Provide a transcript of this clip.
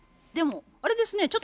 でもあれですね